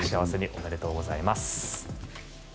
おめでとうございます。